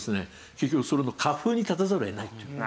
結局それの下風に立たざるを得ないっていう。